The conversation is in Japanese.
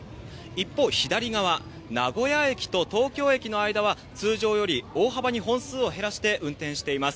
一方、左側、名古屋駅と東京駅の間は通常より大幅に本数を減らして運転しています。